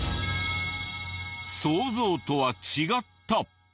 想像とは違った！